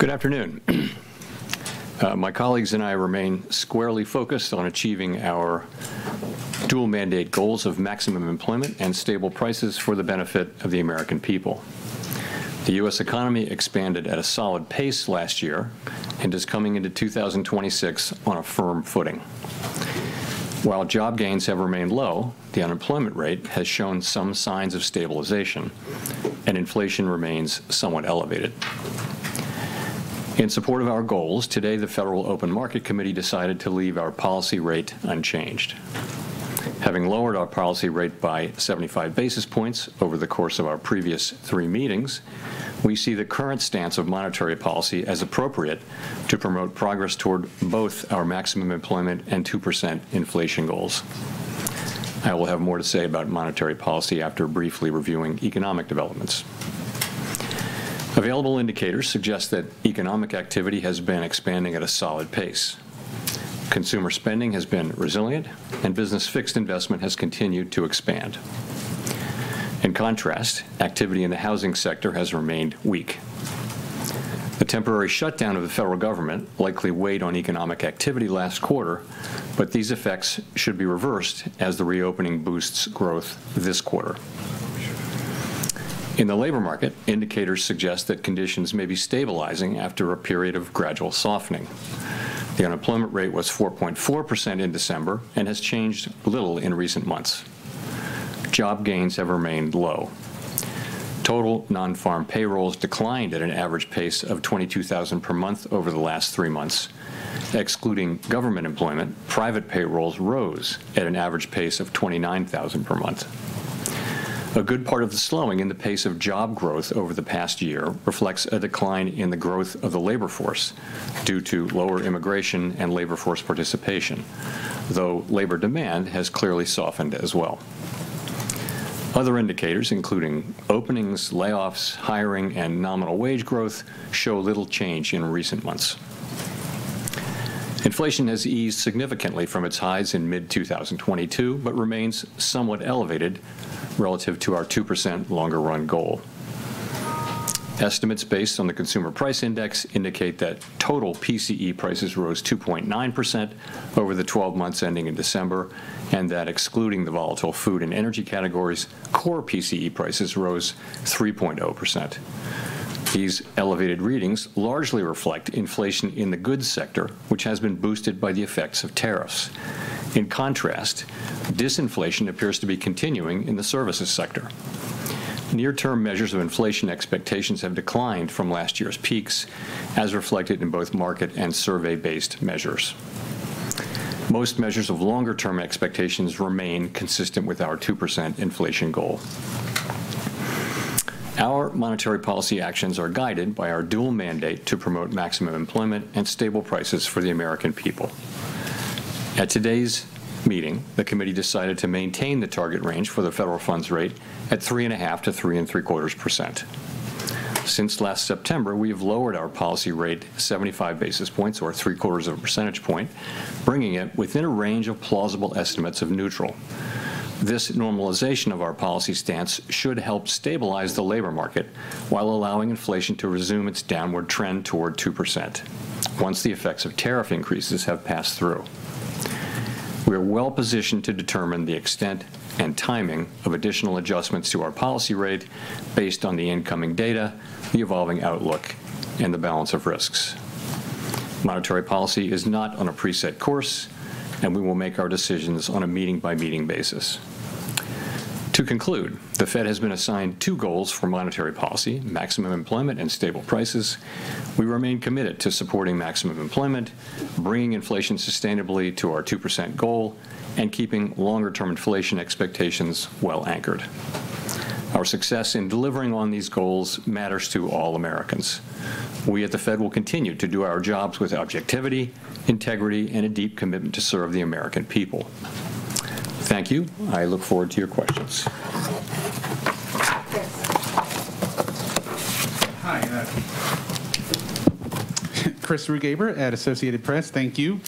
Good afternoon. My colleagues and I remain squarely focused on achieving our dual mandate goals of maximum employment and stable prices for the benefit of the American people. The U.S. economy expanded at a solid pace last year, and is coming into 2026 on a firm footing. While job gains have remained low, the unemployment rate has shown some signs of stabilization, and inflation remains somewhat elevated. In support of our goals, today, the Federal Open Market Committee decided to leave our policy rate unchanged. Having lowered our policy rate by 75 basis points over the course of our previous three meetings, we see the current stance of monetary policy as appropriate to promote progress toward both our maximum employment and 2% inflation goals. I will have more to say about monetary policy after briefly reviewing economic developments. Available indicators suggest that economic activity has been expanding at a solid pace. Consumer spending has been resilient, and business fixed investment has continued to expand. In contrast, activity in the housing sector has remained weak. The temporary shutdown of the federal government likely weighed on economic activity last quarter, but these effects should be reversed as the reopening boosts growth this quarter. In the labor market, indicators suggest that conditions may be stabilizing after a period of gradual softening. The unemployment rate was 4.4% in December, and has changed little in recent months. Job gains have remained low. Total nonfarm payrolls declined at an average pace of 22,000 per month over the last three months. Excluding government employment, private payrolls rose at an average pace of 29,000 per month. A good part of the slowing in the pace of job growth over the past year reflects a decline in the growth of the labor force due to lower immigration and labor force participation, though labor demand has clearly softened as well. Other indicators, including openings, layoffs, hiring, and nominal wage growth, show little change in recent months. Inflation has eased significantly from its highs in mid-2022, but remains somewhat elevated relative to our 2% longer run goal. Estimates based on the Consumer Price Index indicate that total PCE prices rose 2.9% over the 12 months ending in December, and that excluding the volatile food and energy categories, core PCE prices rose 3.0%. These elevated readings largely reflect inflation in the goods sector, which has been boosted by the effects of tariffs. In contrast, disinflation appears to be continuing in the services sector. Near-term measures of inflation expectations have declined from last year's peaks, as reflected in both market and survey-based measures. Most measures of longer-term expectations remain consistent with our 2% inflation goal. Our monetary policy actions are guided by our dual mandate to promote maximum employment and stable prices for the American people. At today's meeting, the committee decided to maintain the target range for the federal funds rate at 3.5%-3.75%. Since last September, we've lowered our policy rate 75 basis points or 0.75 of a percentage point, bringing it within a range of plausible estimates of neutral. This normalization of our policy stance should help stabilize the labor market, while allowing inflation to resume its downward trend toward 2%, once the effects of tariff increases have passed through. We're well-positioned to determine the extent and timing of additional adjustments to our policy rate based on the incoming data, the evolving outlook, and the balance of risks. Monetary policy is not on a preset course, and we will make our decisions on a meeting-by-meeting basis. To conclude, the Fed has been assigned two goals for monetary policy: maximum employment and stable prices. We remain committed to supporting maximum employment, bringing inflation sustainably to our 2% goal, and keeping longer-term inflation expectations well anchored. Our success in delivering on these goals matters to all Americans. We at the Fed will continue to do our jobs with objectivity, integrity, and a deep commitment to serve the American people. Thank you. I look forward to your questions. Hi, Chris Rugaber at Associated Press. Thank you.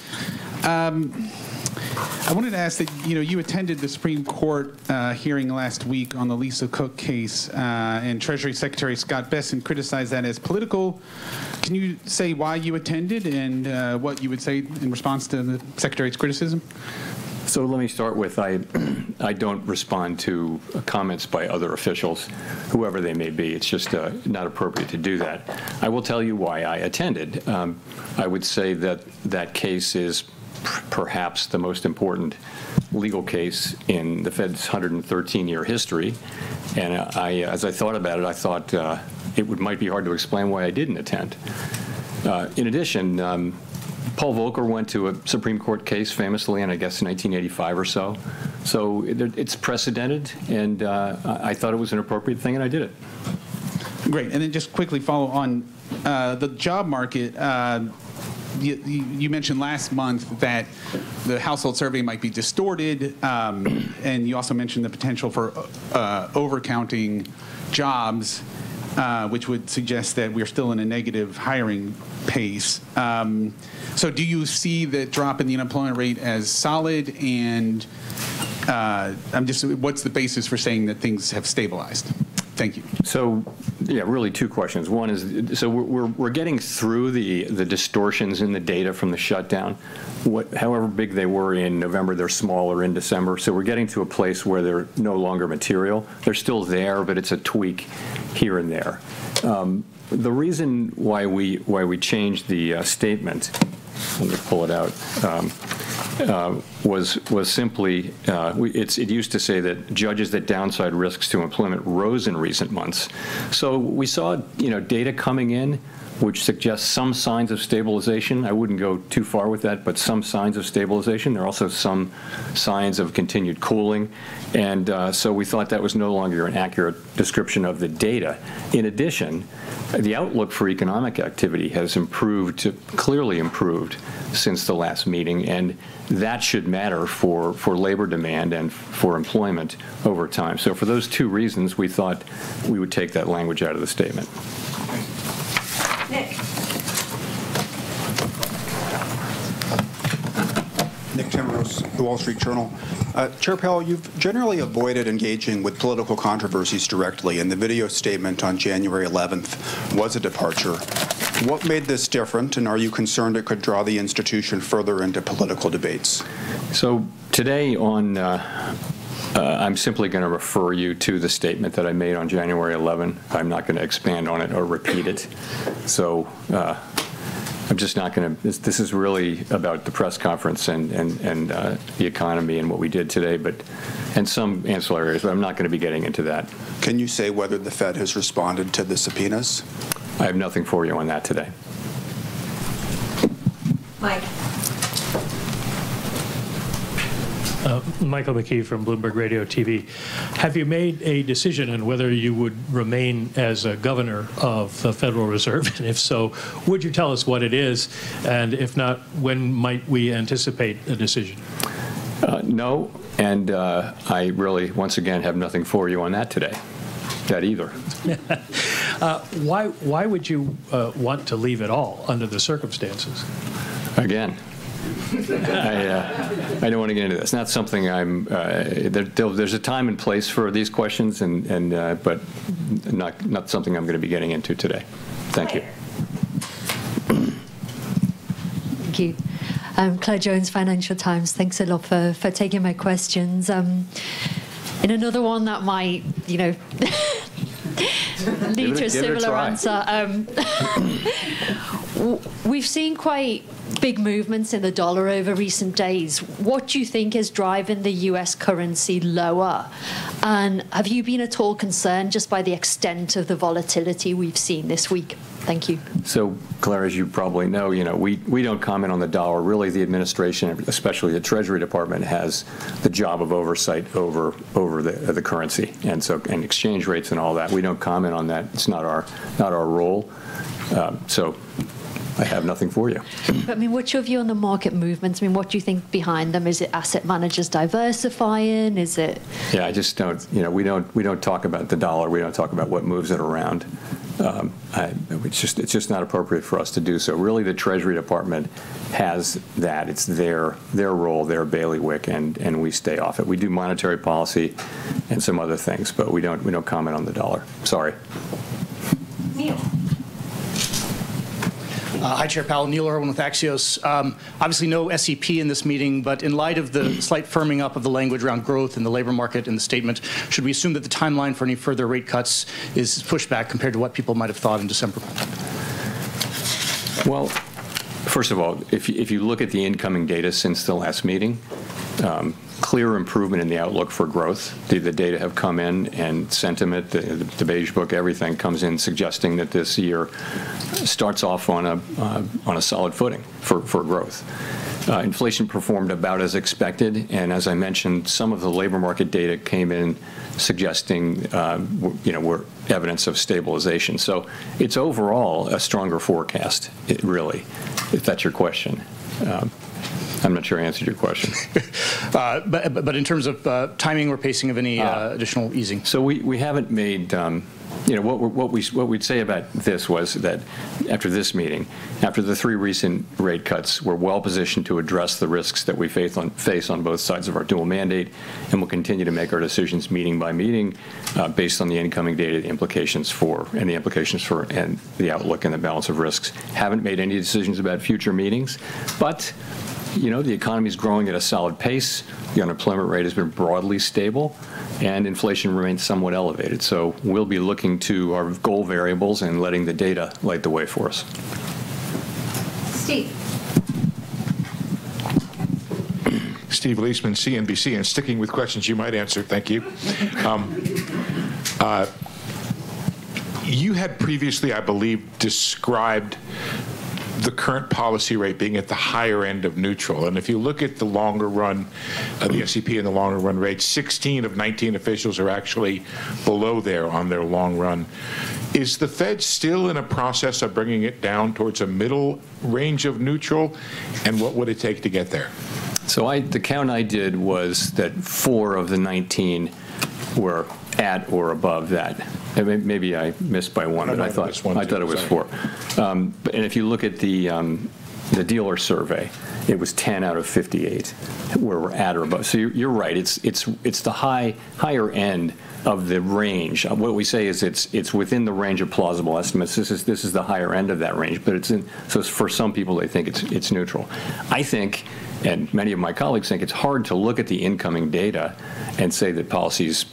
I wanted to ask that, you know, you attended the Supreme Court hearing last week on the Lisa Cook case, and Treasury Secretary Scott Bessent criticized that as political. Can you say why you attended, and what you would say in response to the Secretary's criticism? So let me start with, I don't respond to comments by other officials, whoever they may be. It's just, not appropriate to do that. I will tell you why I attended. I would say that that case is perhaps the most important legal case in the Fed's 113-year history, and, As I thought about it, I thought, it would might be hard to explain why I didn't attend. In addition, Paul Volcker went to a Supreme Court case famously in, I guess, 1985 or so. So it's precedented, and, I thought it was an appropriate thing, and I did it. Great, and then just quickly follow on, the job market. You mentioned last month that the household survey might be distorted, and you also mentioned the potential for over-counting jobs, which would suggest that we're still in a negative hiring pace. So do you see the drop in the unemployment rate as solid and what's the basis for saying that things have stabilized? Thank you. So, yeah, really two questions. One is, so we're getting through the distortions in the data from the shutdown. However big they were in November, they're smaller in December, so we're getting to a place where they're no longer material. They're still there, but it's a tweak here and there. The reason why we changed the statement was simply it used to say that, "Judged that downside risks to employment rose in recent months." So we saw, you know, data coming in, which suggests some signs of stabilization. I wouldn't go too far with that, but some signs of stabilization. There are also some signs of continued cooling, and so we thought that was no longer an accurate description of the data. In addition, the outlook for economic activity has improved, clearly improved, since the last meeting, and that should matter for labor demand and for employment over time. For those two reasons, we thought we would take that language out of the statement. Thank you. Nick. Nick Timiraos, The Wall Street Journal. Chair Powell, you've generally avoided engaging with political controversies directly, and the video statement on January 11th was a departure. What made this different, and are you concerned it could draw the institution further into political debates? So today on, I'm simply gonna refer you to the statement that I made on January 11. I'm not gonna expand on it or repeat it. I'm just not gonna... This is really about the press conference and the economy and what we did today, but and some ancillary, but I'm not gonna be getting into that. Can you say whether the Fed has responded to the subpoenas? I have nothing for you on that today. Mike. Michael McKee from Bloomberg Radio TV. Have you made a decision on whether you would remain as a governor of the Federal Reserve? If so, would you tell us what it is, and if not, when might we anticipate a decision? No, and I really, once again, have nothing for you on that today, that either. Why, why would you want to leave at all under the circumstances? I don't want to get into it. It's not something I'm... There's a time and place for these questions, and, but not something I'm gonna be getting into today. Thank you. Claire. Thank you. I'm Claire Jones, Financial Times. Thanks a lot for taking my questions. And another one that might, you know, - Give it, give it a try.... lead to a similar answer. We've seen quite big movements in the dollar over recent days. What do you think is driving the U.S. currency lower? And have you been at all concerned just by the extent of the volatility we've seen this week? Thank you. So, Claire, as you probably know, you know, we don't comment on the dollar. Really, the administration, especially the Treasury Department, has the job of oversight over the currency, and exchange rates and all that. We don't comment on that. It's not our role. So I have nothing for you. But, I mean, what's your view on the market movements? I mean, what do you think behind them? Is it asset managers diversifying? Is it- Yeah, I just don't. You know, we don't, we don't talk about the dollar. We don't talk about what moves it around. It's just, it's just not appropriate for us to do so. Really, the Treasury Department has that. It's their, their role, their bailiwick, and, and we stay off it. We do monetary policy and some other things, but we don't, we don't comment on the dollar. Sorry. Neil. Hi, Chair Powell, Neil Irwin with Axios. Obviously no SEP in this meeting, but in light of the slight firming up of the language around growth in the labor market in the statement, should we assume that the timeline for any further rate cuts is pushed back compared to what people might have thought in December? Well, first of all, if you look at the incoming data since the last meeting, clear improvement in the outlook for growth. The data have come in, and sentiment, the Beige Book, everything comes in suggesting that this year starts off on a solid footing for growth. Inflation performed about as expected, and as I mentioned, some of the labor market data came in suggesting, you know, were evidence of stabilization. So it's overall a stronger forecast, it really, if that's your question. I'm not sure I answered your question. But in terms of timing or pacing of any- Ah... additional easing. So we haven't made. You know, what we'd say about this was that after this meeting, after the three recent rate cuts, we're well-positioned to address the risks that we face on both sides of our dual mandate, and we'll continue to make our decisions meeting by meeting, based on the incoming data, the implications for, and the outlook and the balance of risks. Haven't made any decisions about future meetings, but, you know, the economy's growing at a solid pace. The unemployment rate has been broadly stable, and inflation remains somewhat elevated. So we'll be looking to our goal variables and letting the data light the way for us. Steve. Steve Liesman, CNBC, and sticking with questions you might answer, thank you. You had previously, I believe, described the current policy rate being at the higher end of neutral, and if you look at the longer run, the SEP and the longer run rate, 16 of 19 officials are actually below there on their long run. Is the Fed still in a process of bringing it down towards a middle range of neutral, and what would it take to get there? So I, the count I did was that four of the 19 were at or above that. Maybe I missed by one, but I thought- I thought it was one, too.... I thought it was four. But if you look at the dealer survey, it was 10 out of 58 were at or above. So you're right, it's the higher end of the range. What we say is it's within the range of plausible estimates. This is the higher end of that range, but it's so for some people, they think it's neutral. I think, and many of my colleagues think, it's hard to look at the incoming data and say that policy is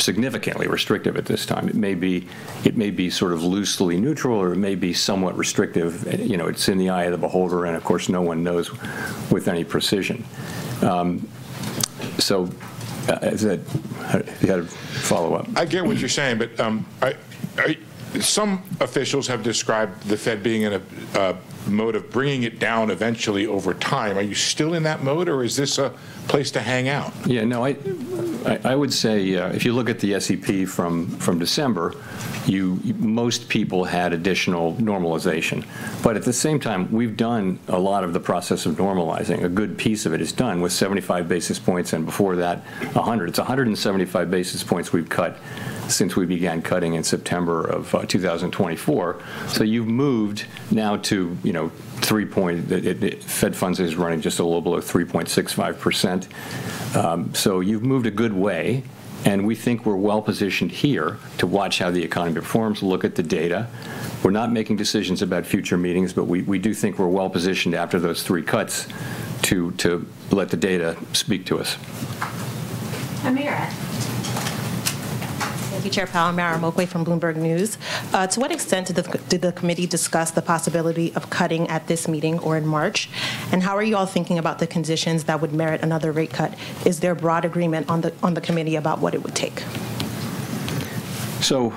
significantly restrictive at this time. It may be, it may be sort of loosely neutral, or it may be somewhat restrictive. You know, it's in the eye of the beholder, and of course, no one knows with any precision. So as I... You had a follow-up? I get what you're saying, but, some officials have described the Fed being in a, a mode of bringing it down eventually over time. Are you still in that mode, or is this a place to hang out? Yeah, no, I would say if you look at the SEP from December, most people had additional normalization. But at the same time, we've done a lot of the process of normalizing. A good piece of it is done with 75 basis points, and before that, 100. It's 175 basis points we've cut since we began cutting in September of 2024. So you've moved now to, you know, three-point... The Fed Funds is running just a little below 3.65%. So you've moved a good way, and we think we're well-positioned here to watch how the economy performs, look at the data. We're not making decisions about future meetings, but we do think we're well-positioned after those three cuts to let the data speak to us. Amara. Thank you, Chair Powell. Amara Omeokwe from Bloomberg News. To what extent did the committee discuss the possibility of cutting at this meeting or in March? And how are you all thinking about the conditions that would merit another rate cut? Is there broad agreement on the committee about what it would take? So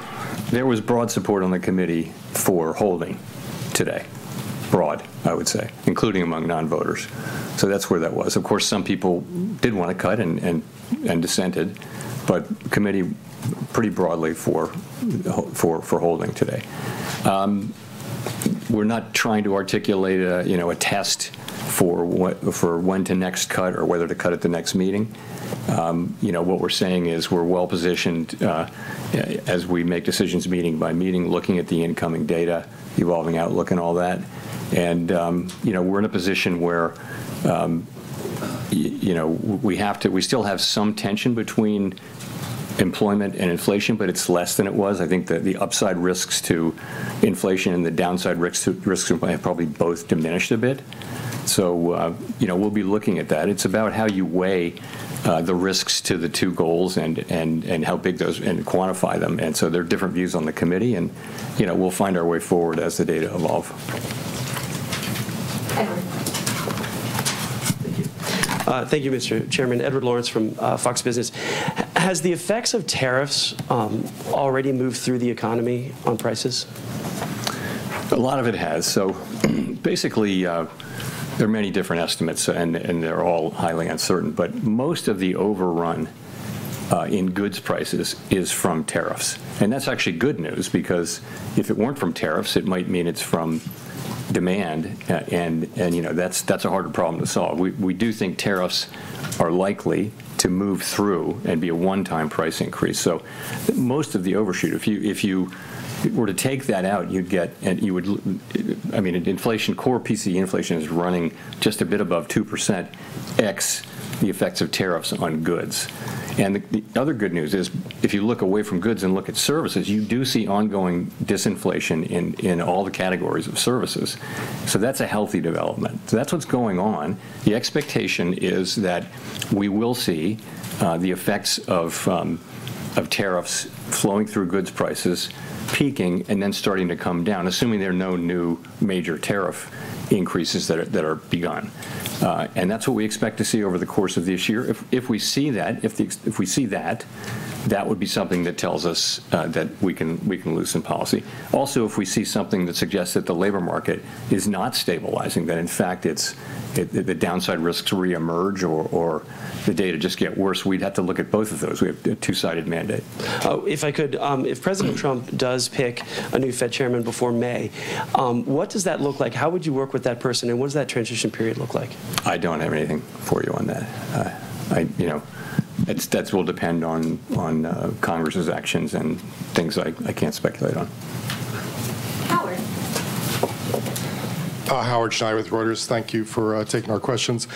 there was broad support on the committee for holding today. Broad, I would say, including among non-voters, so that's where that was. Of course, some people did want to cut and dissented, but committee pretty broadly for holding today. We're not trying to articulate a, you know, a test for what- for when to next cut or whether to cut at the next meeting. You know, what we're saying is, we're well-positioned, yeah, as we make decisions meeting by meeting, looking at the incoming data, the evolving outlook and all that. And, you know, we're in a position where, you know, we still have some tension between employment and inflation, but it's less than it was. I think that the upside risks to inflation and the downside risks to employment have probably both diminished a bit, so, you know, we'll be looking at that. It's about how you weigh the risks to the two goals and how big those... and quantify them. And so there are different views on the committee, and, you know, we'll find our way forward as the data evolve. Edward. Thank you. Thank you, Mr. Chairman. Edward Lawrence from Fox Business. Has the effects of tariffs already moved through the economy on prices? A lot of it has. So, basically, there are many different estimates, and they're all highly uncertain, but most of the overrun in goods prices is from tariffs. And that's actually good news because if it weren't from tariffs, it might mean it's from demand, and, you know, that's a harder problem to solve. We do think tariffs are likely to move through and be a one-time price increase, so most of the overshoot, if you were to take that out, you'd get... I mean, inflation, core PCE inflation is running just a bit above 2%, ex the effects of tariffs on goods. And the other good news is, if you look away from goods and look at services, you do see ongoing disinflation in all the categories of services, so that's a healthy development. So that's what's going on. The expectation is that we will see the effects of tariffs flowing through goods prices, peaking, and then starting to come down, assuming there are no new major tariff increases that are begun. And that's what we expect to see over the course of this year. If we see that, that would be something that tells us that we can loosen policy. Also, if we see something that suggests that the labor market is not stabilizing, that, in fact, the downside risks re-emerge or the data just get worse, we'd have to look at both of those. We have a two-sided mandate. If I could, if President Trump does pick a new Fed chairman before May, what does that look like? How would you work with that person, and what does that transition period look like? I don't have anything for you on that. You know, it's that will depend on Congress's actions and things I can't speculate on. Howard. Howard Schneider with Reuters, thank you for taking our questions.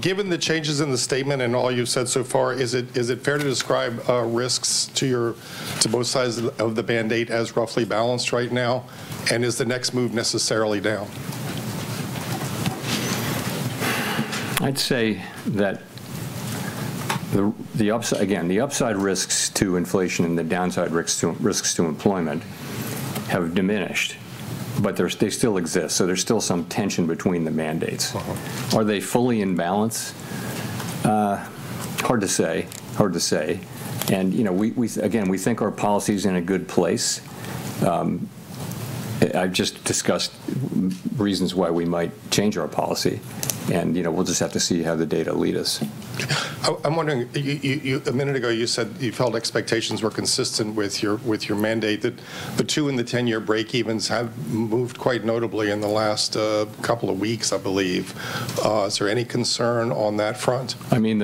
Given the changes in the statement and all you've said so far, is it fair to describe risks to both sides of the mandate as roughly balanced right now? And is the next move necessarily down? I'd say that the upside... Again, the upside risks to inflation and the downside risks to employment have diminished, but they still exist, so there's still some tension between the mandates. Uh-huh. Are they fully in balance? Hard to say. Hard to say. You know, we, we, again, we think our policy's in a good place. I've just discussed reasons why we might change our policy, and, you know, we'll just have to see how the data lead us. I'm wondering. A minute ago, you said you felt expectations were consistent with your mandate. The two-year and the 10-year break-evens have moved quite notably in the last couple of weeks, I believe. Is there any concern on that front? I mean,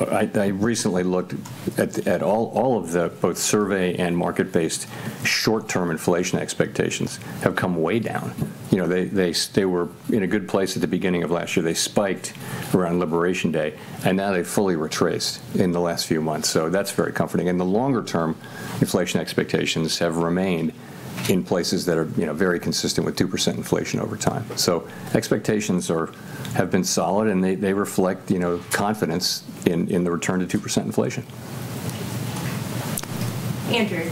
I recently looked at all of the both survey and market-based short-term inflation expectations have come way down. You know, they were in a good place at the beginning of last year. They spiked around Liberation Day, and now they've fully retraced in the last few months, so that's very comforting. In the longer term, inflation expectations have remained in places that are, you know, very consistent with 2% inflation over time. So expectations are, have been solid, and they reflect, you know, confidence in the return to 2% inflation. Andrew.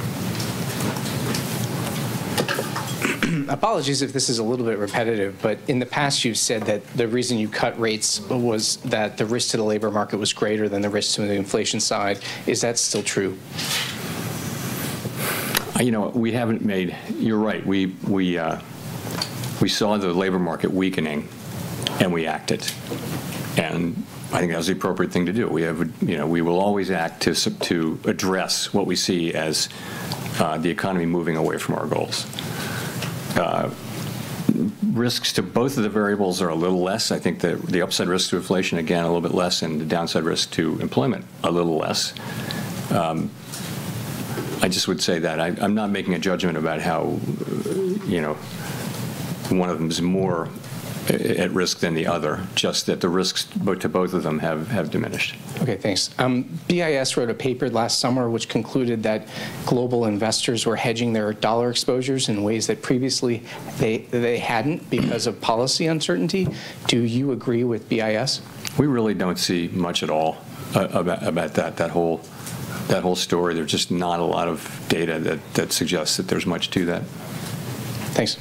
Apologies if this is a little bit repetitive, but in the past, you've said that the reason you cut rates was that the risk to the labor market was greater than the risk to the inflation side. Is that still true? You know what? We haven't made... You're right. We saw the labor market weakening, and we acted, and I think that was the appropriate thing to do. You know, we will always act to address what we see as the economy moving away from our goals. Risks to both of the variables are a little less. I think the upside risk to inflation, again, a little bit less, and the downside risk to employment, a little less. I just would say that I'm not making a judgment about how, you know, one of them is more at risk than the other, just that the risks to both of them have diminished. Okay, thanks. BIS wrote a paper last summer which concluded that global investors were hedging their dollar exposures in ways that previously they hadn't because of policy uncertainty. Do you agree with BIS? We really don't see much at all about that whole story. There's just not a lot of data that suggests that there's much to that. Thanks.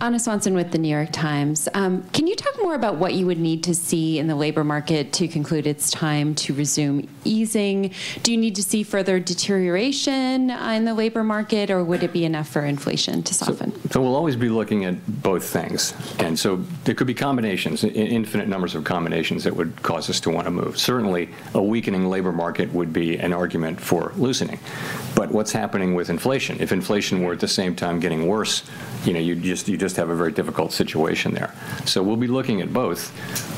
Ana. Ana Swanson with the New York Times. Can you talk more about what you would need to see in the labor market to conclude it's time to resume easing? Do you need to see further deterioration in the labor market, or would it be enough for inflation to soften? So we'll always be looking at both things, and so there could be combinations, infinite numbers of combinations that would cause us to wanna move. Certainly, a weakening labor market would be an argument for loosening. But what's happening with inflation? If inflation were at the same time getting worse, you know, you'd just have a very difficult situation there. So we'll be looking at both.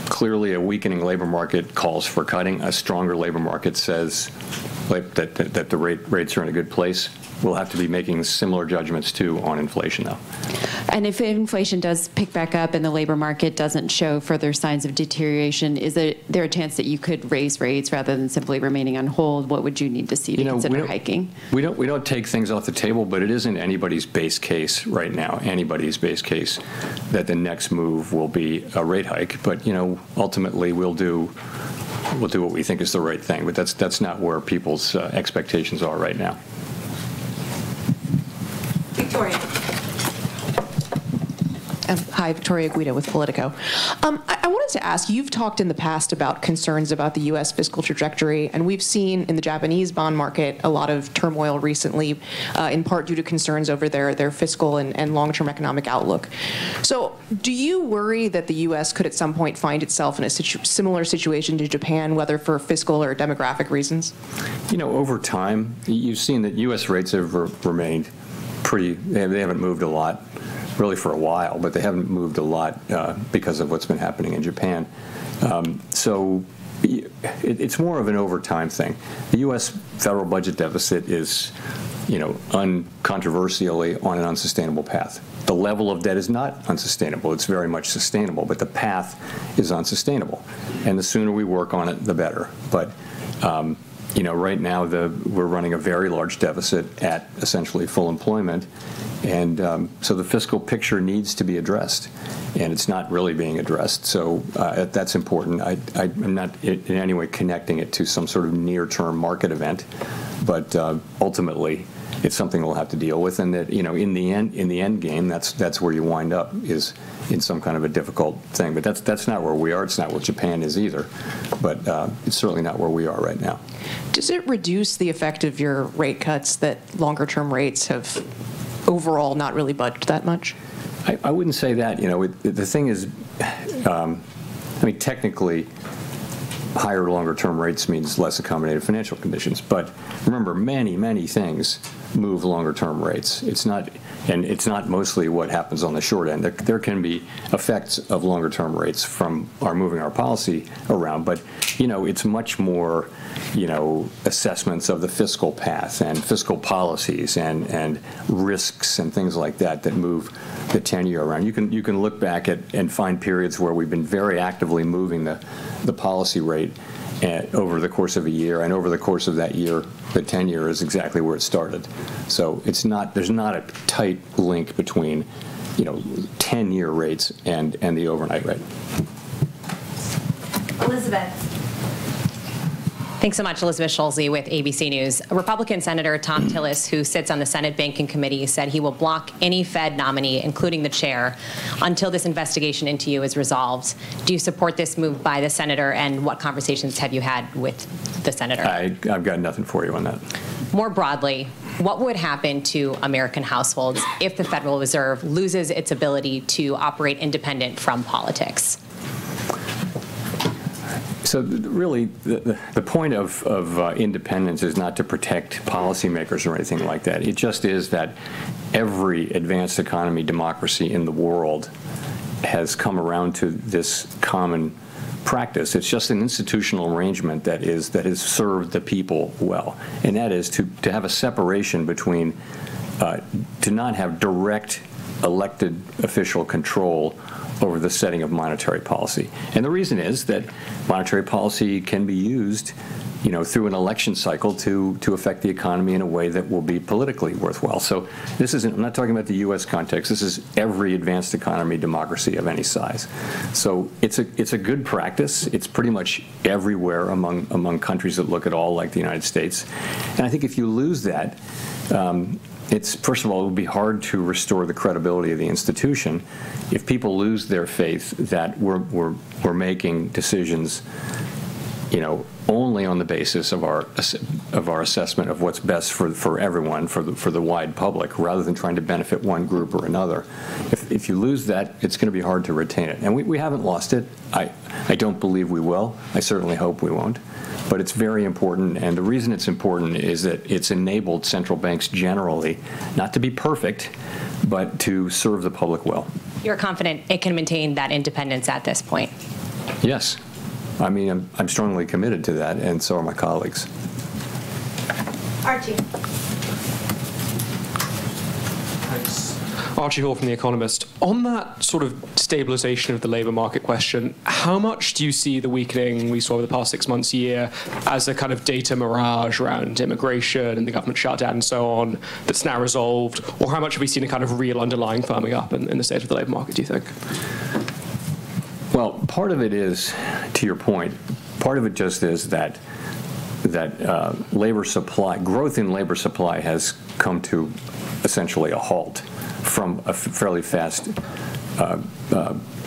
Clearly, a weakening labor market calls for cutting. A stronger labor market says like, that the rates are in a good place. We'll have to be making similar judgments, too, on inflation, though. If inflation does pick back up, and the labor market doesn't show further signs of deterioration, is there a chance that you could raise rates rather than simply remaining on hold? What would you need to see to consider hiking? You know, we don't, we don't take things off the table, but it isn't anybody's base case right now, anybody's base case, that the next move will be a rate hike. But, you know, ultimately, we'll do, we'll do what we think is the right thing. But that's, that's not where people's expectations are right now. Victoria. Hi, Victoria Guida with Politico. I wanted to ask, you've talked in the past about concerns about the U.S. fiscal trajectory, and we've seen in the Japanese bond market a lot of turmoil recently, in part due to concerns over their fiscal and long-term economic outlook. So do you worry that the U.S. could at some point find itself in a similar situation to Japan, whether for fiscal or demographic reasons? You know, over time, you've seen that U.S. rates have remained pretty. They haven't moved a lot really for a while, but they haven't moved a lot because of what's been happening in Japan. So it's more of an over time thing. The U.S. federal budget deficit is, you know, uncontroversially on an unsustainable path. The level of debt is not unsustainable. It's very much sustainable, but the path is unsustainable, and the sooner we work on it, the better. But you know, right now, we're running a very large deficit at essentially full employment, and so the fiscal picture needs to be addressed, and it's not really being addressed, so that's important. I'm not in any way connecting it to some sort of near-term market event, but ultimately, it's something we'll have to deal with, and that, you know, in the end, in the end game, that's where you wind up is in some kind of a difficult thing. But that's not where we are. It's not where Japan is either, but it's certainly not where we are right now. Does it reduce the effect of your rate cuts that longer-term rates have overall not really budged that much? I wouldn't say that. You know, the thing is, I mean, technically, higher longer-term rates means less accommodative financial conditions. But remember, many, many things move longer-term rates. It's not... And it's not mostly what happens on the short end. There can be effects of longer-term rates from our moving our policy around, but, you know, it's much more, you know, assessments of the fiscal path, and fiscal policies, and, and risks, and things like that, that move the 10-year around. You can, you can look back at and find periods where we've been very actively moving the, the policy rate over the course of a year, and over the course of that year, the 10-year is exactly where it started. So it's not, there's not a tight link between, you know, 10-year rates and, and the overnight rate. Elizabeth. Thanks so much. Elizabeth Schulze with ABC News. A Republican Senator, Thom Tillis, who sits on the Senate Banking Committee, said he will block any Fed nominee, including the chair, until this investigation into you is resolved. Do you support this move by the Senator, and what conversations have you had with the Senator? I've got nothing for you on that. More broadly, what would happen to American households if the Federal Reserve loses its ability to operate independent from politics? So really, the point of independence is not to protect policymakers or anything like that. It just is that every advanced economy democracy in the world has come around to this common practice. It's just an institutional arrangement that has served the people well, and that is to not have direct elected official control over the setting of monetary policy. And the reason is that monetary policy can be used, you know, through an election cycle to affect the economy in a way that will be politically worthwhile. So this isn't. I'm not talking about the U.S. context, this is every advanced economy democracy of any size. So it's a good practice. It's pretty much everywhere among countries that look at all like the United States. I think if you lose that, it's first of all hard to restore the credibility of the institution if people lose their faith that we're making decisions, you know, only on the basis of our assessment of what's best for everyone for the wide public, rather than trying to benefit one group or another. If you lose that, it's gonna be hard to retain it. We haven't lost it. I don't believe we will. I certainly hope we won't. But it's very important, and the reason it's important is that it's enabled central banks generally, not to be perfect, but to serve the public well. You're confident it can maintain that independence at this point? Yes. I mean, I'm strongly committed to that, and so are my colleagues. Archie. Thanks. Archie Hall from The Economist. On that sort of stabilization of the labor market question, how much do you see the weakening we saw over the past six months, a year, as a kind of data mirage around immigration and the government shutdown and so on, that's now resolved? Or how much have we seen a kind of real underlying firming up in the state of the labor market, do you think? Well, part of it is, to your point, part of it just is that, that, labor supply, growth in labor supply has come to essentially a halt from a fairly fast,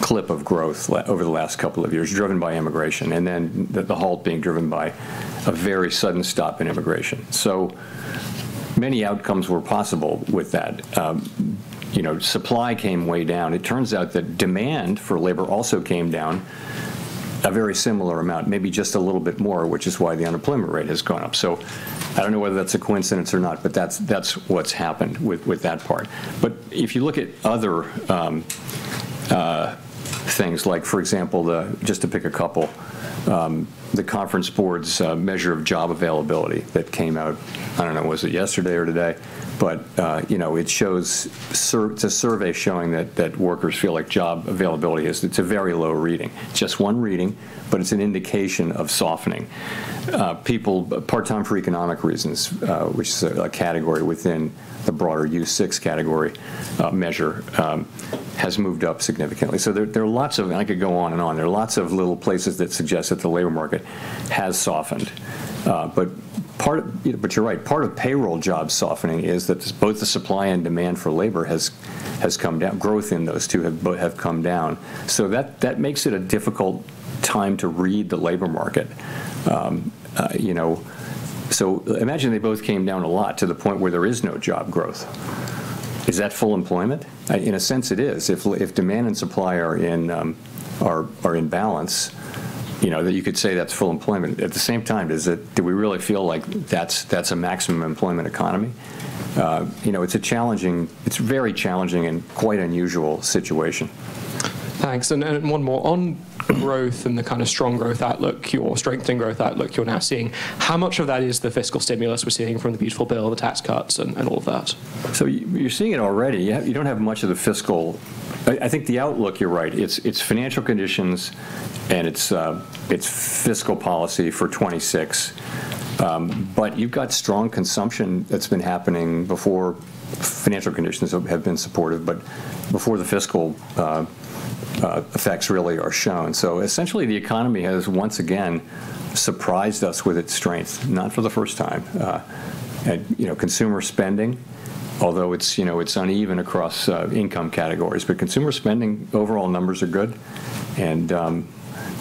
clip of growth over the last couple of years, driven by immigration, and then the, the halt being driven by a very sudden stop in immigration. So many outcomes were possible with that. You know, supply came way down. It turns out that demand for labor also came down a very similar amount, maybe just a little bit more, which is why the unemployment rate has gone up. So I don't know whether that's a coincidence or not, but that's, that's what's happened with, with that part. But if you look at other things, like for example, the, just to pick a couple, the Conference Board's measure of job availability that came out, I don't know, was it yesterday or today? But, you know, it shows—it's a survey showing that workers feel like job availability is... It's a very low reading. Just one reading, but it's an indication of softening. People part-time for economic reasons, which is a category within the broader U6 category measure, has moved up significantly. So there are lots of... And I could go on and on. There are lots of little places that suggest that the labor market has softened. But part... But you're right, part of payroll job softening is that both the supply and demand for labor has come down. Growth in those two have come down. So that, that makes it a difficult time to read the labor market. You know, so imagine they both came down a lot, to the point where there is no job growth. Is that full employment? In a sense, it is. If demand and supply are in, are in balance, you know, then you could say that's full employment. At the same time, do we really feel like that's, that's a maximum employment economy? You know, it's a challenging. It's a very challenging and quite unusual situation. Thanks. And then, one more. On growth and the kind of strong growth outlook, your strengthening growth outlook you're now seeing, how much of that is the fiscal stimulus we're seeing from the Beautiful Bill, the tax cuts, and all of that? So you're seeing it already. You don't have much of the fiscal... I think the outlook, you're right, it's financial conditions, and it's fiscal policy for 2026. But you've got strong consumption that's been happening before financial conditions have been supportive, but before the fiscal effects really are shown. So essentially, the economy has once again surprised us with its strength, not for the first time. And, you know, consumer spending, although it's, you know, it's uneven across income categories, but consumer spending, overall numbers are good, and,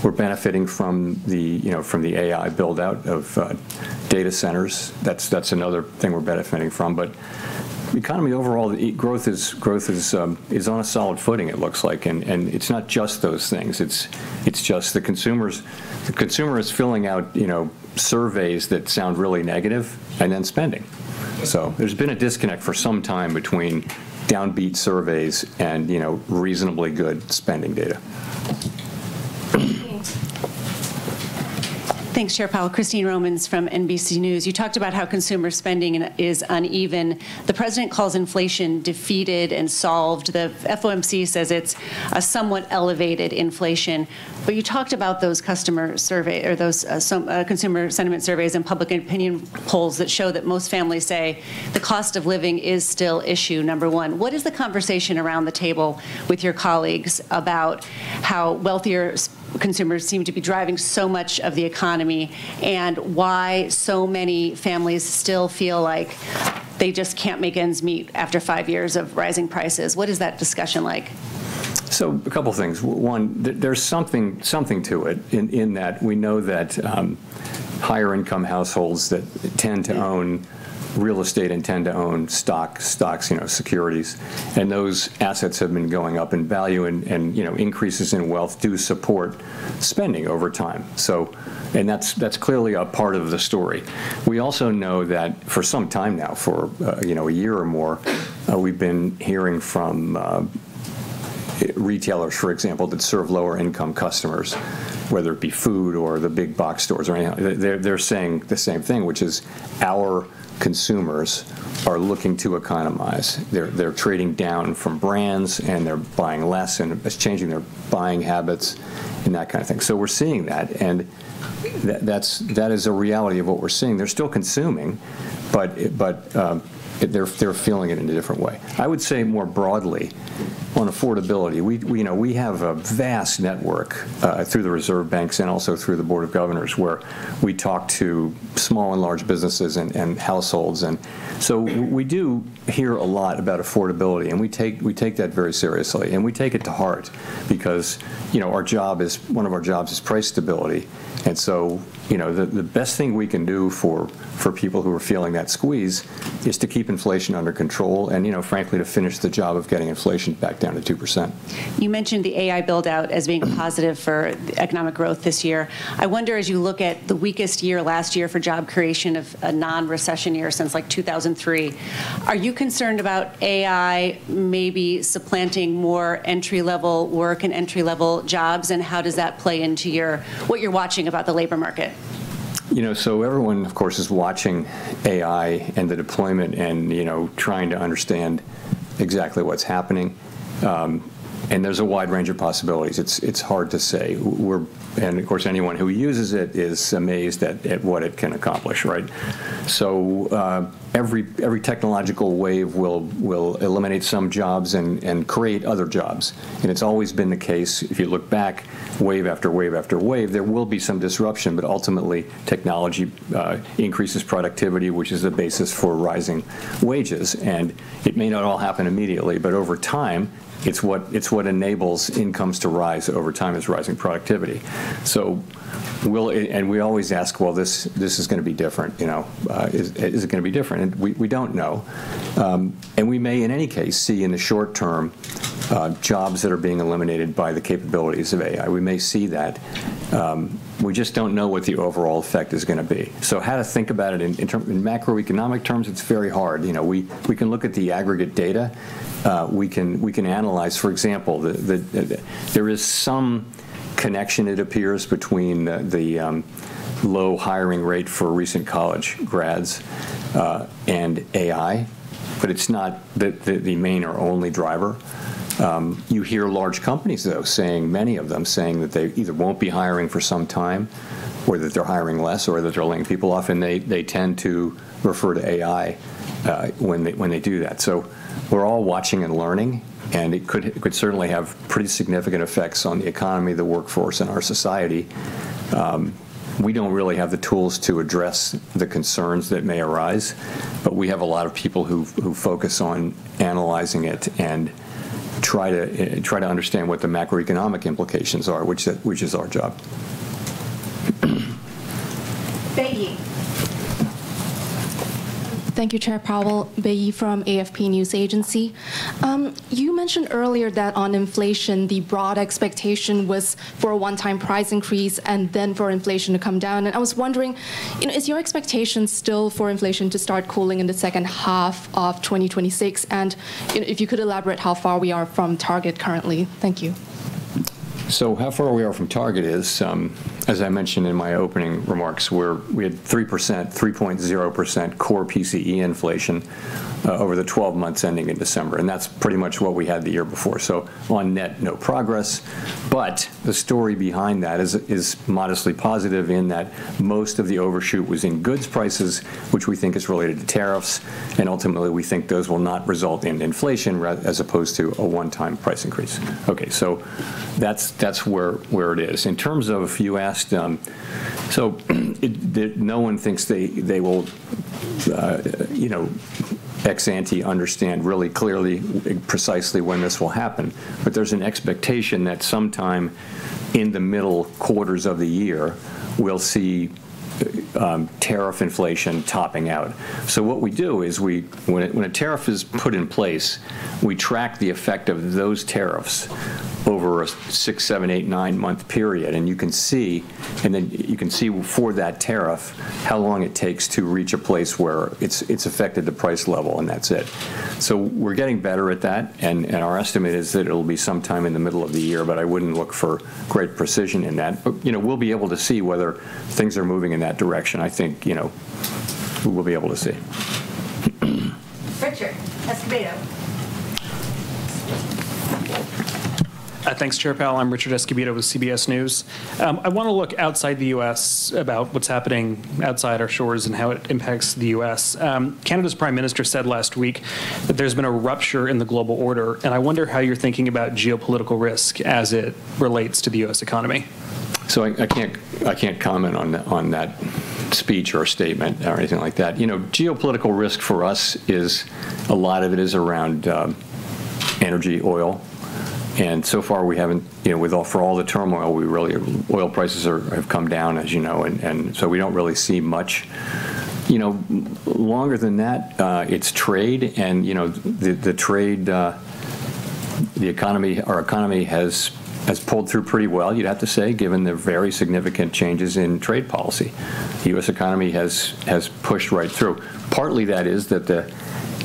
we're benefiting from the, you know, from the AI build-out of data centers. That's another thing we're benefiting from. But the economy overall, growth is on a solid footing, it looks like. And it's not just those things, it's just the consumers. The consumer is filling out, you know, surveys that sound really negative, and then spending. So there's been a disconnect for some time between downbeat surveys and, you know, reasonably good spending data. Christine. Thanks, Chair Powell. Christine Romans from NBC News. You talked about how consumer spending is uneven. The president calls inflation defeated and solved. The FOMC says it's a somewhat elevated inflation. But you talked about those customer survey, or those, some, consumer sentiment surveys and public opinion polls that show that most families say the cost of living is still issue number one. What is the conversation around the table with your colleagues about how wealthier consumers seem to be driving so much of the economy, and why so many families still feel like they just can't make ends meet after five years of rising prices? What is that discussion like? So a couple things. One, there's something to it, in that we know that higher income households that tend to own real estate and tend to own stocks, you know, securities, and those assets have been going up in value and, you know, increases in wealth do support spending over time. So. And that's clearly a part of the story. We also know that for some time now, you know, a year or more, we've been hearing from retailers, for example, that serve lower income customers, whether it be food or the big box stores or anything they're saying the same thing, which is, "Our consumers are looking to economize. They're trading down from brands, and they're buying less, and it's changing their buying habits," and that kind of thing. So we're seeing that, and that's, that is a reality of what we're seeing. They're still consuming, but it, but, they're, they're feeling it in a different way. I would say more broadly on affordability, we, we know we have a vast network through the Reserve Banks and also through the Board of Governors, where we talk to small and large businesses and, and households, and so we do hear a lot about affordability, and we take, we take that very seriously, and we take it to heart because, you know, our job is, one of our jobs is price stability. And so, you know, the, the best thing we can do for, for people who are feeling that squeeze is to keep inflation under control and, you know, frankly, to finish the job of getting inflation back down to 2%. You mentioned the AI build-out as being positive for the economic growth this year. I wonder, as you look at the weakest year last year for job creation of a non-recession year since, like, 2003, are you concerned about AI maybe supplanting more entry-level work and entry-level jobs, and how does that play into your... what you're watching about the labor market? You know, so everyone, of course, is watching AI and the deployment and, you know, trying to understand exactly what's happening. And there's a wide range of possibilities. It's hard to say. And of course, anyone who uses it is amazed at what it can accomplish, right? So every technological wave will eliminate some jobs and create other jobs, and it's always been the case. If you look back, wave after wave after wave, there will be some disruption, but ultimately, technology increases productivity, which is the basis for rising wages. And it may not all happen immediately, but over time, it's what enables incomes to rise over time, is rising productivity. So we'll... and we always ask, "Well, this is gonna be different, you know. Is it gonna be different?" We don't know. And we may, in any case, see in the short term, jobs that are being eliminated by the capabilities of AI. We may see that. We just don't know what the overall effect is gonna be. So how to think about it in macroeconomic terms, it's very hard. You know, we can look at the aggregate data. We can analyze, for example, there is some connection, it appears, between the low hiring rate for recent college grads, and AI, but it's not the main or only driver. You hear large companies, though, saying, many of them, saying that they either won't be hiring for some time, or that they're hiring less, or that they're laying people off, and they, they tend to refer to AI, when they, when they do that. So we're all watching and learning, and it could, it could certainly have pretty significant effects on the economy, the workforce, and our society. We don't really have the tools to address the concerns that may arise, but we have a lot of people who've, who focus on analyzing it and try to, try to understand what the macroeconomic implications are, which, which is our job. Beiyi. Thank you, Chair Powell. Beiyi from AFP News Agency. You mentioned earlier that on inflation, the broad expectation was for a one-time price increase and then for inflation to come down. I was wondering, you know, is your expectation still for inflation to start cooling in the second half of 2026? You know, if you could elaborate how far we are from target currently. Thank you. So how far we are from target is, as I mentioned in my opening remarks, we had 3%, 3.0% core PCE inflation over the 12 months ending in December, and that's pretty much what we had the year before, so on net, no progress. But the story behind that is modestly positive in that most of the overshoot was in goods prices, which we think is related to tariffs, and ultimately, we think those will not result in inflation as opposed to a one-time price increase. Okay, so that's where it is. In terms of you asked. So it the no one thinks they will, you know, ex ante understand really clearly, precisely when this will happen. But there's an expectation that sometime in the middle quarters of the year, we'll see tariff inflation topping out. So what we do is, when a tariff is put in place, we track the effect of those tariffs over a six, seven, eight, nine-month period, and you can see, and then you can see for that tariff, how long it takes to reach a place where it's affected the price level, and that's it. So we're getting better at that, and our estimate is that it'll be sometime in the middle of the year, but I wouldn't look for great precision in that. But, you know, we'll be able to see whether things are moving in that direction. I think, you know, we will be able to see. Richard Escobedo. Thanks, Chair Powell. I'm Richard Escobedo with CBS News. I wanna look outside the U.S. about what's happening outside our shores and how it impacts the U.S. Canada's prime minister said last week that there's been a rupture in the global order, and I wonder how you're thinking about geopolitical risk as it relates to the U.S. economy. So I can't comment on that, on that speech, or statement, or anything like that. You know, geopolitical risk for us is a lot of it is around energy oil, and so far, we haven't, you know, for all the turmoil, oil prices have come down, as you know, and so we don't really see much. You know, longer than that, it's trade and, you know, the trade, the economy—our economy has pulled through pretty well, you'd have to say, given the very significant changes in trade policy. The U.S. economy has pushed right through. Partly, that is that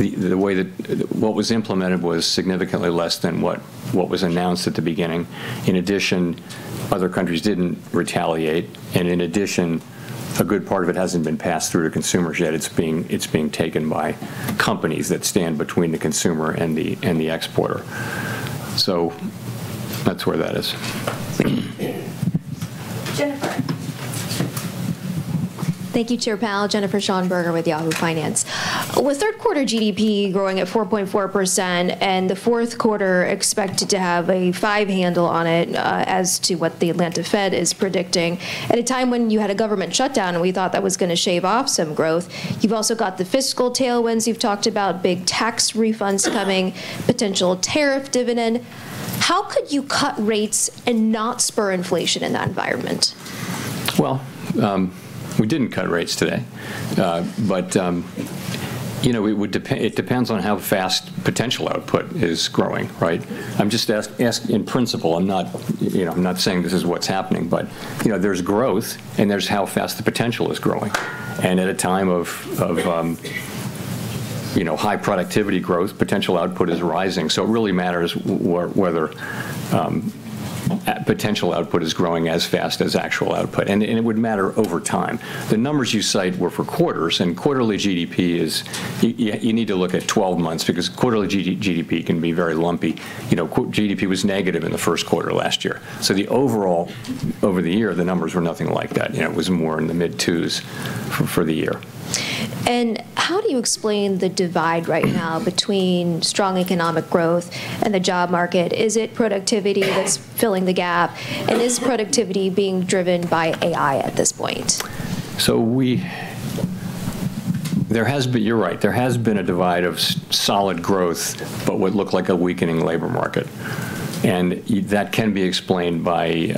the way that what was implemented was significantly less than what was announced at the beginning. In addition, other countries didn't retaliate, and in addition, a good part of it hasn't been passed through to consumers yet. It's being taken by companies that stand between the consumer and the exporter. So that's where that is. Jennifer. Thank you, Chair Powell. Jennifer Schonberger with Yahoo Finance. With third quarter GDP growing at 4.4%, and the fourth quarter expected to have a five handle on it, as to what the Atlanta Fed is predicting, at a time when you had a government shutdown, and we thought that was gonna shave off some growth, you've also got the fiscal tailwinds. You've talked about big tax refunds coming, potential tariff dividend. How could you cut rates and not spur inflation in that environment? Well, we didn't cut rates today. But you know, it depends on how fast potential output is growing, right? I'm just asking in principle, I'm not, you know, I'm not saying this is what's happening, but you know, there's growth, and there's how fast the potential is growing. And at a time of high productivity growth, potential output is rising. So it really matters whether potential output is growing as fast as actual output, and it would matter over time. The numbers you cite were for quarters, and quarterly GDP is... You need to look at twelve months because quarterly GDP can be very lumpy. You know, GDP was negative in the first quarter of last year, so the overall, over the year, the numbers were nothing like that. You know, it was more in the mid-twos for the year. How do you explain the divide right now between strong economic growth and the job market? Is it productivity that's filling the gap, and is productivity being driven by AI at this point? So there has been. You're right. There has been a divide of solid growth, but what looked like a weakening labor market. And that can be explained by,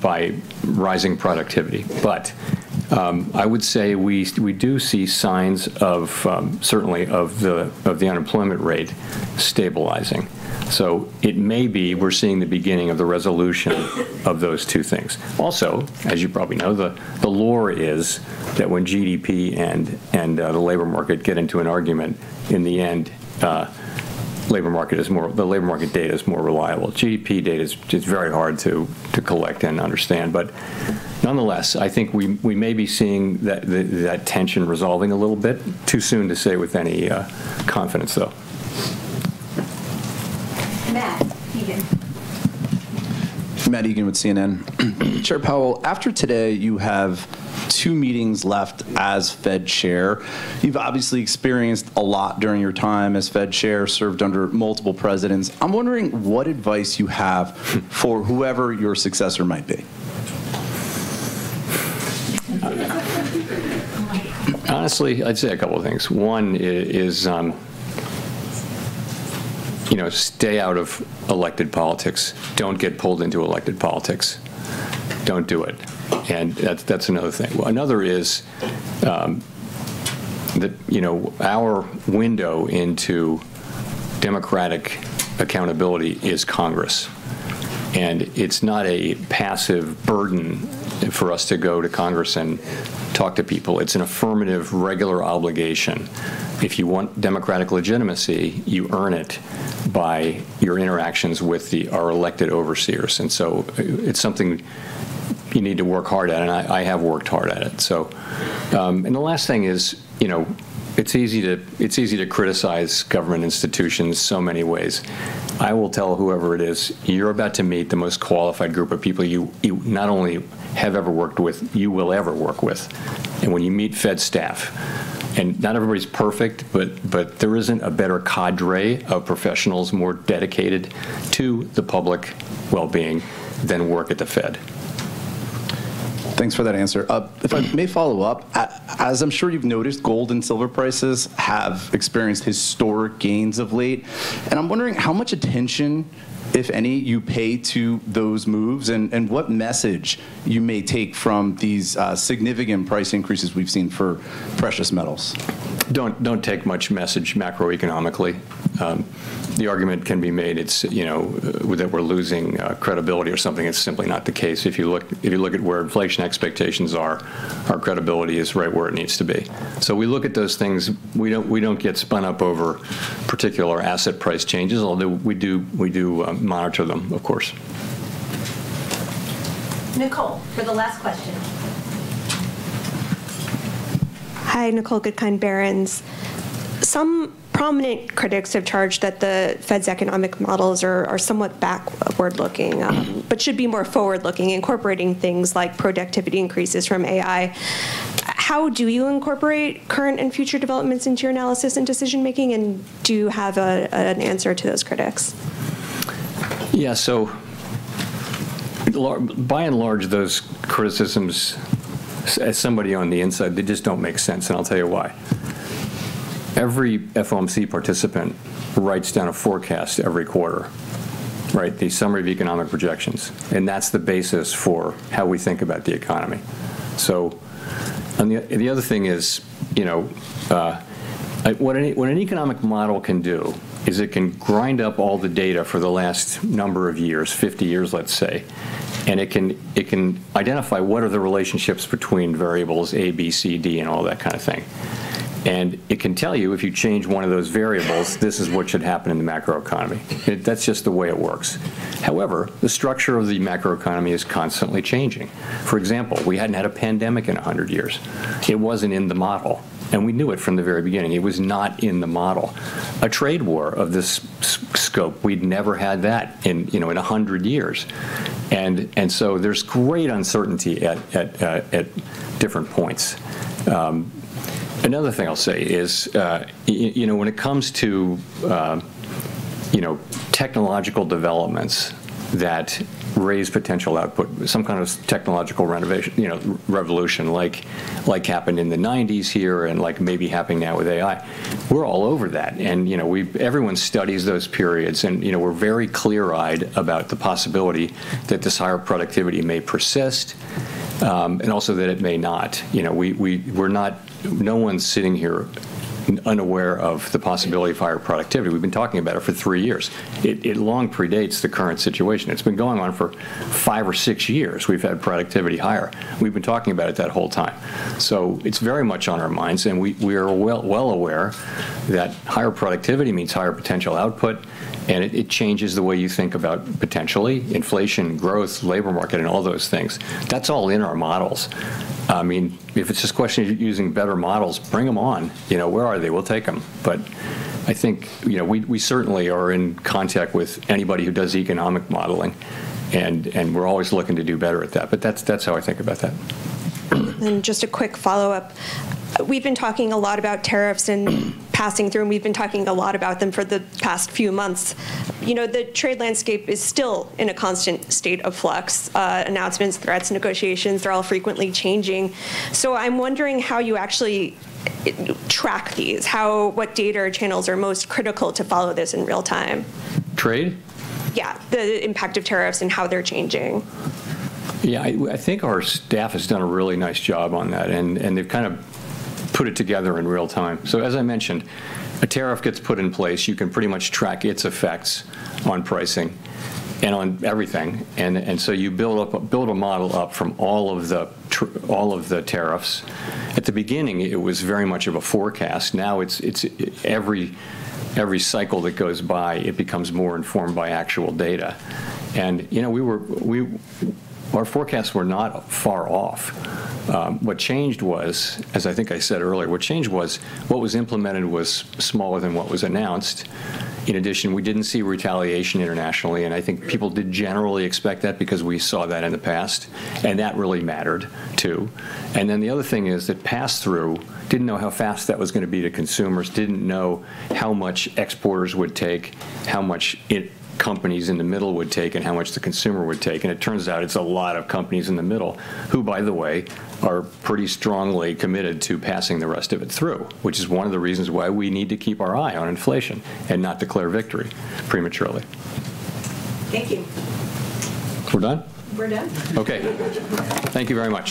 by rising productivity. But I would say we, we do see signs of, certainly of the, of the unemployment rate stabilizing. So it may be we're seeing the beginning of the resolution of those two things. Also, as you probably know, the, the lore is that when GDP and, and, the labor market get into an argument, in the end, labor market is more, the labor market data is more reliable. GDP data is, it's very hard to, to collect and understand, but nonetheless, I think we, we may be seeing that, the, that tension resolving a little bit. Too soon to say with any confidence, though. Matt Egan. Matt Egan with CNN. Chair Powell, after today, you have two meetings left as Fed Chair. You've obviously experienced a lot during your time as Fed Chair, served under multiple presidents. I'm wondering what advice you have for whoever your successor might be? Honestly, I'd say a couple of things. One is, you know, stay out of elected politics. Don't get pulled into elected politics. Don't do it. And that's, that's another thing. Another is, that, you know, our window into democratic accountability is Congress, and it's not a passive burden for us to go to Congress and talk to people. It's an affirmative, regular obligation. If you want democratic legitimacy, you earn it by your interactions with the, our elected overseers, and so it's something you need to work hard at, and I, I have worked hard at it. So, And the last thing is, you know, it's easy to, it's easy to criticize government institutions so many ways. I will tell whoever it is, "You're about to meet the most qualified group of people you not only have ever worked with, you will ever work with." And when you meet Fed staff, and not everybody's perfect, but there isn't a better cadre of professionals more dedicated to the public well-being than work at the Fed. Thanks for that answer. If I may follow up, as I'm sure you've noticed, gold and silver prices have experienced historic gains of late, and I'm wondering how much attention, if any, you pay to those moves, and what message you may take from these significant price increases we've seen for precious metals? Don't take much message macroeconomically. The argument can be made, it's, you know, that we're losing credibility or something. It's simply not the case. If you look at where inflation expectations are, our credibility is right where it needs to be. So we look at those things. We don't get spun up over particular asset price changes, although we do monitor them, of course. Nicole, for the last question. Hi, Nicole Goodkind, Barron's. Some prominent critics have charged that the Fed's economic models are somewhat backward-looking, but should be more forward-looking, incorporating things like productivity increases from AI. How do you incorporate current and future developments into your analysis and decision-making, and do you have an answer to those critics? Yeah, so by and large, those criticisms, as somebody on the inside, they just don't make sense, and I'll tell you why. Every FOMC participant writes down a forecast every quarter, right? The Summary of Economic Projections, and that's the basis for how we think about the economy. So, the other thing is, you know, what an economic model can do, is it can grind up all the data for the last number of years, 50 years, let's say, and it can, it can identify what are the relationships between variables A, B, C, D, and all that kind of thing... and it can tell you if you change one of those variables, this is what should happen in the macroeconomy. That's just the way it works. However, the structure of the macroeconomy is constantly changing. For example, we hadn't had a pandemic in 100 years. It wasn't in the model, and we knew it from the very beginning. It was not in the model. A trade war of this scope, we'd never had that in, you know, in 100 years, and so there's great uncertainty at different points. Another thing I'll say is, you know, when it comes to, you know, technological developments that raise potential output, some kind of technological renovation, you know, revolution, like, like happened in the 1990s here and like maybe happening now with AI, we're all over that. And, you know, everyone studies those periods and, you know, we're very clear-eyed about the possibility that this higher productivity may persist, and also that it may not. You know, we're not... No one's sitting here unaware of the possibility of higher productivity. We've been talking about it for three years. It long predates the current situation. It's been going on for five or six years; we've had productivity higher. We've been talking about it that whole time. So it's very much on our minds, and we are well aware that higher productivity means higher potential output, and it changes the way you think about, potentially, inflation, growth, labor market, and all those things. That's all in our models. I mean, if it's just a question of using better models, bring them on. You know, where are they? We'll take them. But I think, you know, we certainly are in contact with anybody who does economic modeling, and we're always looking to do better at that, but that's how I think about that. Just a quick follow-up. We've been talking a lot about tariffs and passing through, and we've been talking a lot about them for the past few months. You know, the trade landscape is still in a constant state of flux. Announcements, threats, negotiations are all frequently changing. So I'm wondering how you actually track these, how, what data or channels are most critical to follow this in real time? Trade? Yeah, the impact of tariffs and how they're changing. Yeah, I think our staff has done a really nice job on that, and they've kind of put it together in real time. So as I mentioned, a tariff gets put in place, you can pretty much track its effects on pricing and on everything. And so you build a model up from all of the tariffs. At the beginning, it was very much of a forecast. Now, it's every cycle that goes by, it becomes more informed by actual data. And, you know, our forecasts were not far off. What changed was, as I think I said earlier, what changed was what was implemented was smaller than what was announced. In addition, we didn't see retaliation internationally, and I think people did generally expect that because we saw that in the past, and that really mattered, too. And then the other thing is, that pass-through, didn't know how fast that was gonna be to consumers, didn't know how much exporters would take, how much companies in the middle would take, and how much the consumer would take, and it turns out it's a lot of companies in the middle, who, by the way, are pretty strongly committed to passing the rest of it through, which is one of the reasons why we need to keep our eye on inflation and not declare victory prematurely. Thank you. We're done? We're done. Okay. Thank you very much.